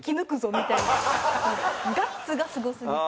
みたいなガッツがすごすぎて。